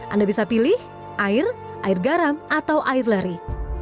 anda bisa pilih air air garam atau air leri